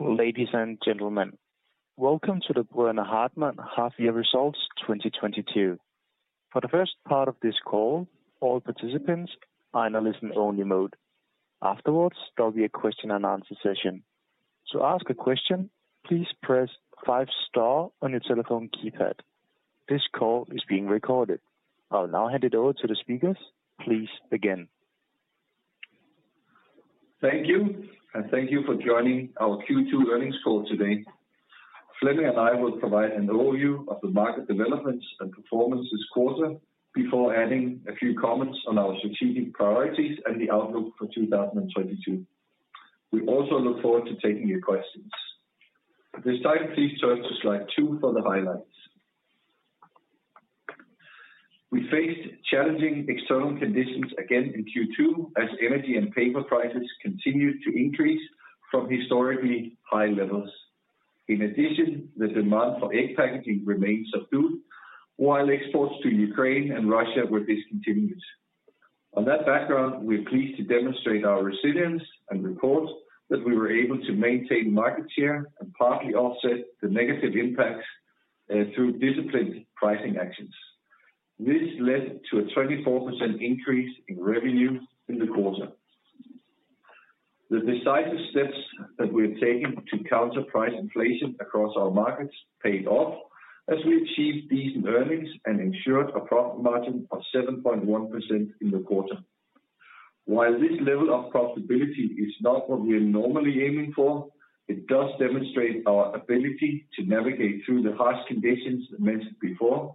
Ladies and gentlemen, welcome to the Brødrene Hartmann Half Year Results 2022. For the first part of this call, all participants are in a listen-only mode. Afterwards, there'll be a question and answer session. To ask a question, please press five star on your telephone keypad. This call is being recorded. I'll now hand it over to the speakers. Please begin. Thank you, and thank you for joining our Q2 earnings call today. Flemming and I will provide an overview of the market developments and performance this quarter before adding a few comments on our strategic priorities and the outlook for 2022. We also look forward to taking your questions. At this time, please turn to slide 2 for the highlights. We faced challenging external conditions again in Q2 as energy and paper prices continued to increase from historically high levels. In addition, the demand for egg packaging remained subdued, while exports to Ukraine and Russia were discontinued. On that background, we're pleased to demonstrate our resilience and report that we were able to maintain market share and partly offset the negative impacts through disciplined pricing actions. This led to a 24% increase in revenue in the quarter. The decisive steps that we have taken to counter price inflation across our markets paid off as we achieved decent earnings and ensured a profit margin of 7.1% in the quarter. While this level of profitability is not what we're normally aiming for, it does demonstrate our ability to navigate through the harsh conditions mentioned before.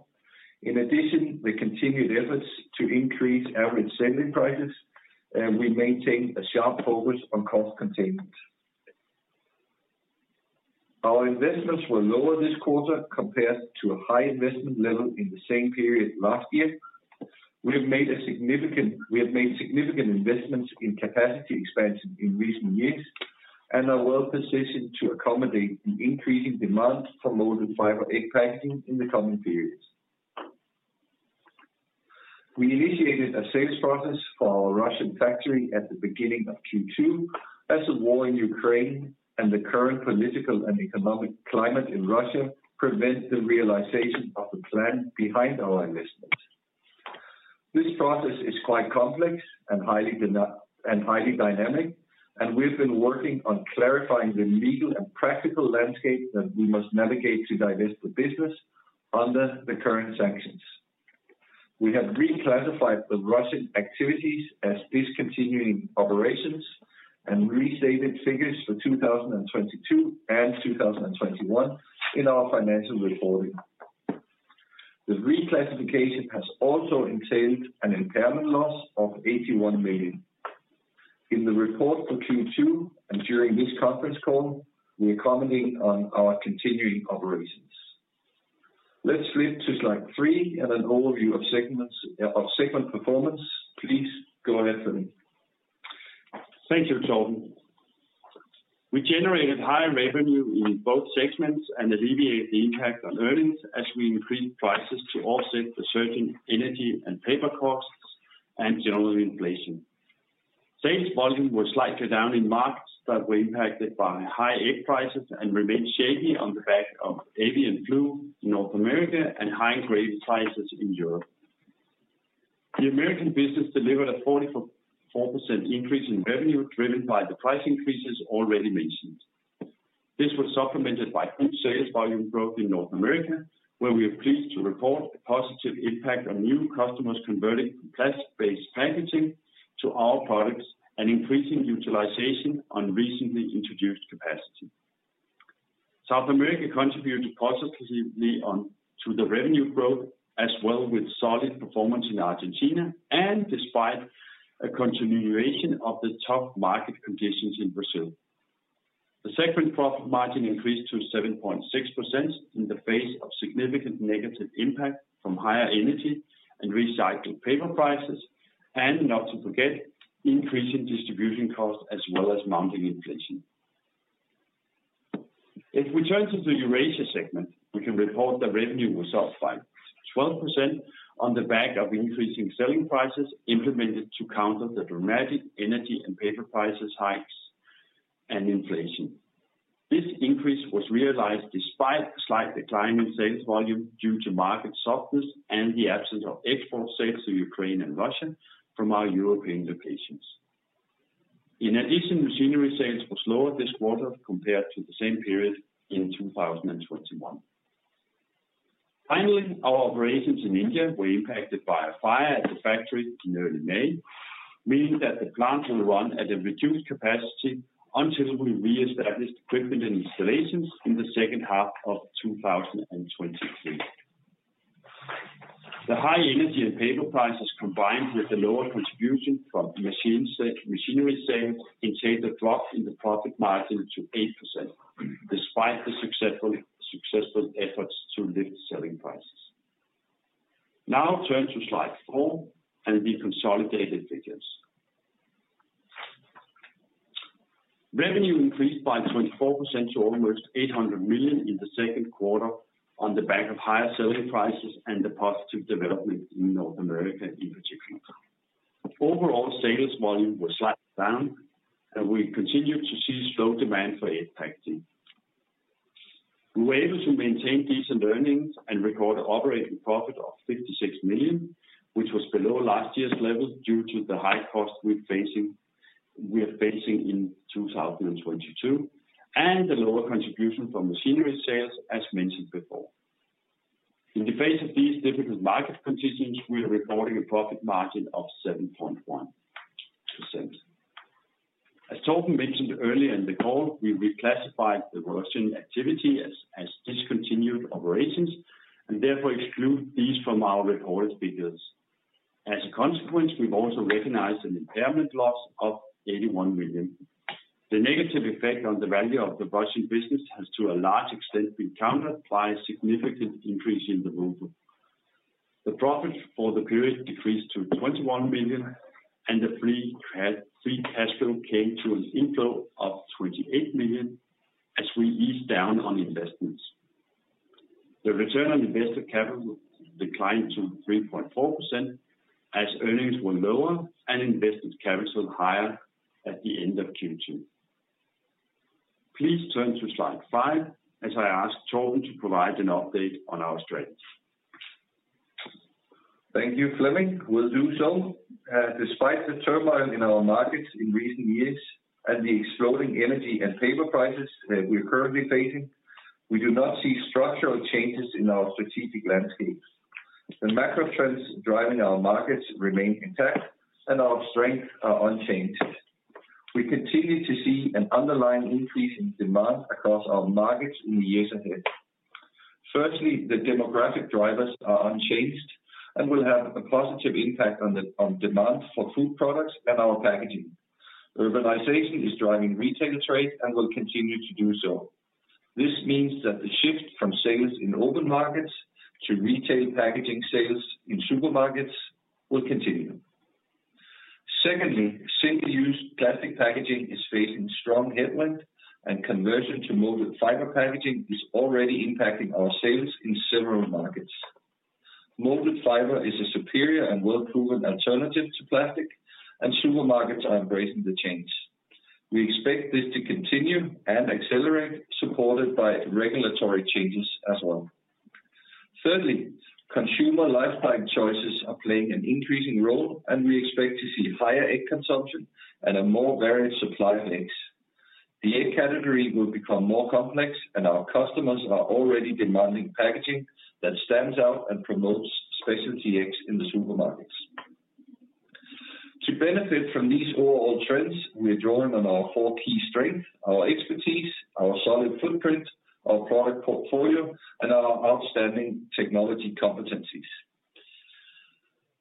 In addition, the continued efforts to increase average selling prices, we maintain a sharp focus on cost containment. Our investments were lower this quarter compared to a high investment level in the same period last year. We have made significant investments in capacity expansion in recent years and are well-positioned to accommodate the increasing demand for molded fiber egg packaging in the coming periods. We initiated a sales process for our Russian factory at the beginning of Q2 as the war in Ukraine and the current political and economic climate in Russia prevent the realization of the plan behind our investments. This process is quite complex and highly dynamic, and we've been working on clarifying the legal and practical landscape that we must navigate to divest the business under the current sanctions. We have reclassified the Russian activities as discontinued operations and restated figures for 2022 and 2021 in our financial reporting. The reclassification has also entailed an impairment loss of 81 million. In the report for Q2 and during this conference call, we are commenting on our continuing operations. Let's flip to slide three and an overview of segment performance. Please go ahead, Flemming. Thank you, Torben. We generated higher revenue in both segments and alleviate the impact on earnings as we increased prices to offset the surging energy and paper costs and general inflation. Sales volume was slightly down in markets that were impacted by high egg prices and remained shaky on the back of avian flu in North America and high ingredient prices in Europe. The American business delivered a 44% increase in revenue driven by the price increases already mentioned. This was supplemented by good sales volume growth in North America, where we are pleased to report a positive impact on new customers converting from plastic-based packaging to our products and increasing utilization on recently introduced capacity. South America contributed positively on to the revenue growth as well with solid performance in Argentina and despite a continuation of the tough market conditions in Brazil. The segment profit margin increased to 7.6% in the face of significant negative impact from higher energy and recycled paper prices and, not to forget, increasing distribution costs as well as mounting inflation. If we turn to the Eurasia segment, we can report that revenue was up by 12% on the back of increasing selling prices implemented to counter the dramatic energy and paper price hikes and inflation. This increase was realized despite a slight decline in sales volume due to market softness and the absence of export sales to Ukraine and Russia from our European locations. In addition, machinery sales were slower this quarter compared to the same period in 2021. Finally, our operations in India were impacted by a fire at the factory in early May, meaning that the plant will run at a reduced capacity until we reestablish equipment and installations in the H2 of 2023. The high energy and paper prices, combined with the lower contribution from machinery sales, entailed a drop in the profit margin to 8% despite the successful efforts to lift selling prices. Now turn to slide four and the consolidated figures. Revenue increased by 24% to almost 800 million in the second quarter on the back of higher selling prices and the positive development in North America in particular. Overall sales volume was slightly down, and we continued to see slow demand for egg packaging. We were able to maintain decent earnings and record operating profit of 56 million, which was below last year's level due to the high costs we're facing in 2022, and the lower contribution from machinery sales as mentioned before. In the face of these difficult market conditions, we are recording a profit margin of 7.1%. As Torben mentioned earlier in the call, we reclassified the Russian activity as discontinued operations and therefore exclude these from our reported figures. As a consequence, we've also recognized an impairment loss of 81 million. The negative effect on the value of the Russian business has to a large extent been countered by a significant increase in the ruble movement. The profit for the period decreased to 21 million and the free cash flow came to an inflow of 28 million as we eased down on investments. The return on invested capital declined to 3.4% as earnings were lower and invested capital higher at the end of Q2. Please turn to slide five as I ask Torben to provide an update on our strategy. Thank you, Flemming. Will do so. Despite the turmoil in our markets in recent years and the exploding energy and paper prices that we're currently facing, we do not see structural changes in our strategic landscapes. The macro trends driving our markets remain intact, and our strengths are unchanged. We continue to see an underlying increase in demand across our markets in the years ahead. Firstly, the demographic drivers are unchanged and will have a positive impact on demand for food products and our packaging. Urbanization is driving retail trade and will continue to do so. This means that the shift from sales in open markets to retail packaging sales in supermarkets will continue. Secondly, single-use plastic packaging is facing strong headwind and conversion to molded fiber packaging is already impacting our sales in several markets. Molded fiber is a superior and well-proven alternative to plastic, and supermarkets are embracing the change. We expect this to continue and accelerate, supported by regulatory changes as well. Thirdly, consumer lifestyle choices are playing an increasing role, and we expect to see higher egg consumption and a more varied supply of eggs. The egg category will become more complex, and our customers are already demanding packaging that stands out and promotes specialty eggs in the supermarkets. To benefit from these overall trends, we are drawing on our four key strengths, our expertise, our solid footprint, our product portfolio, and our outstanding technology competencies.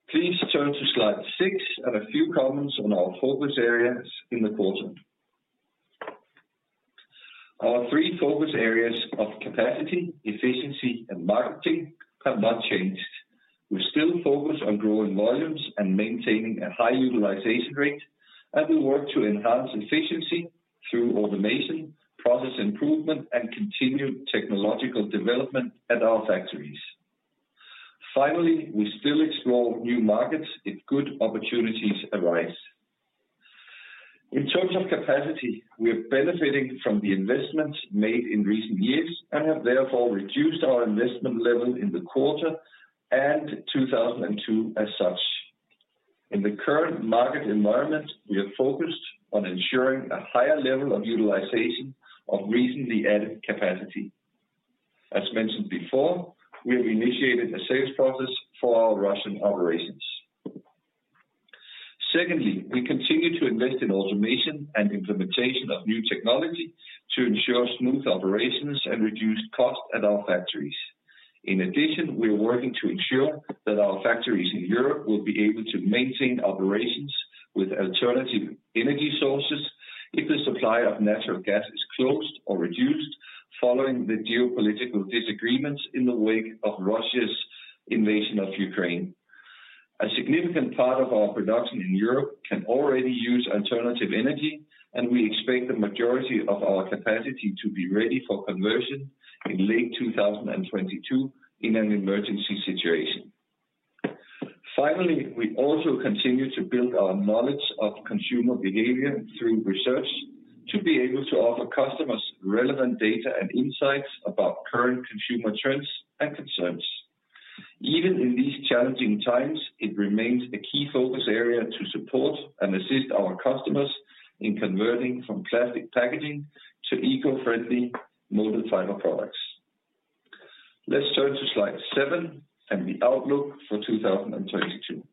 Please turn to slide six and a few comments on our focus areas in the quarter. Our three focus areas of capacity, efficiency, and marketing have not changed. We still focus on growing volumes and maintaining a high utilization rate, and we work to enhance efficiency through automation, process improvement, and continued technological development at our factories. Finally, we still explore new markets if good opportunities arise. In terms of capacity, we are benefiting from the investments made in recent years and have therefore reduced our investment level in the quarter and 2022 as such. In the current market environment, we are focused on ensuring a higher level of utilization of recently added capacity. As mentioned before, we have initiated a sales process for our Russian operations. Secondly, we continue to invest in automation and implementation of new technology to ensure smooth operations and reduce costs at our factories. In addition, we are working to ensure that our factories in Europe will be able to maintain operations with alternative energy sources if the supply of natural gas is closed or reduced following the geopolitical disagreements in the wake of Russia's invasion of Ukraine. A significant part of our production in Europe can already use alternative energy, and we expect the majority of our capacity to be ready for conversion in late 2022 in an emergency situation. Finally, we also continue to build our knowledge of consumer behavior through research to be able to offer customers relevant data and insights about current consumer trends and concerns. Even in these challenging times, it remains a key focus area to support and assist our customers in converting from plastic packaging to eco-friendly molded fiber products. Let's turn to slide 7 and the outlook for 2022.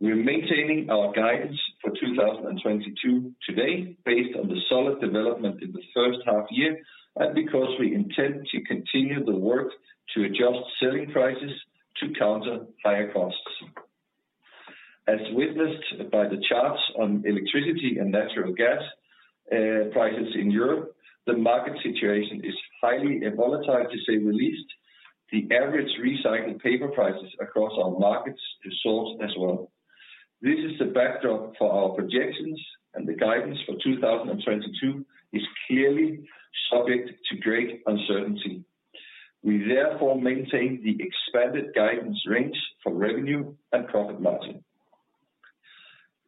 We're maintaining our guidance for 2022 today based on the solid development in the H1 year and because we intend to continue the work to adjust selling prices to counter higher costs. As witnessed by the charts on electricity and natural gas prices in Europe, the market situation is highly volatile, to say the least. The average recycled paper prices across our markets has soared as well. This is the backdrop for our projections, and the guidance for 2022 is clearly subject to great uncertainty. We therefore maintain the expanded guidance range for revenue and profit margin.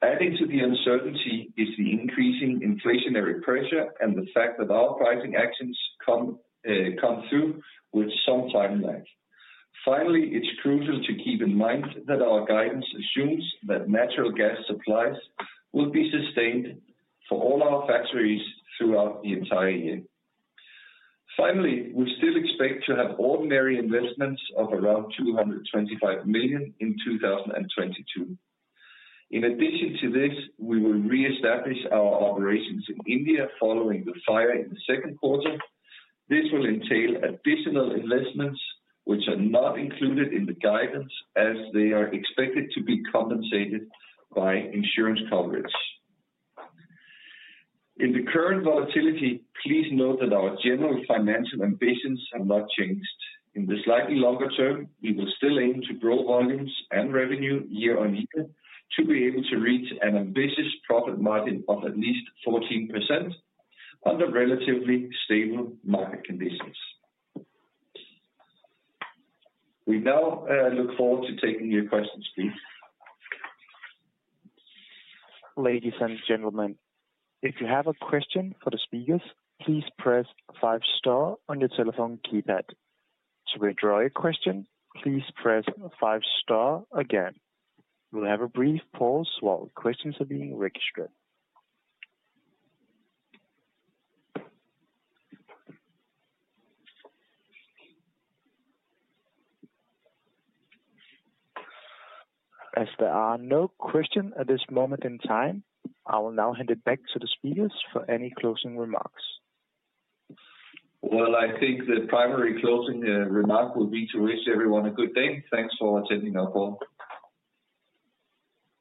Adding to the uncertainty is the increasing inflationary pressure and the fact that our pricing actions come through with some timeline. Finally, it's crucial to keep in mind that our guidance assumes that natural gas supplies will be sustained for all our factories throughout the entire year. We still expect to have ordinary investments of around 225 million in 2022. In addition to this, we will reestablish our operations in India following the fire in the second quarter. This will entail additional investments which are not included in the guidance as they are expected to be compensated by insurance coverage. In the current volatility, please note that our general financial ambitions have not changed. In the slightly longer term, we will still aim to grow volumes and revenue year-over-year to be able to reach an ambitious profit margin of at least 14% under relatively stable market conditions. We now look forward to taking your questions, please. Ladies and gentlemen, if you have a question for the speakers, please press five star on your telephone keypad. To withdraw your question, please press five star again. We'll have a brief pause while questions are being registered. As there are no questions at this moment in time, I will now hand it back to the speakers for any closing remarks. Well, I think the primary closing remark would be to wish everyone a good day. Thanks for attending our call.